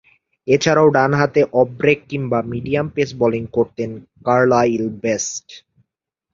এছাড়াও, ডানহাতে off break কিংবা মিডিয়াম পেস বোলিং করতেন কার্লাইল বেস্ট।